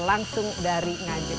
langsung dari nganjuk